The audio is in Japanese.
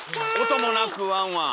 音もなくワンワン。